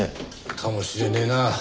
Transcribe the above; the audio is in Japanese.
かもしれねえな。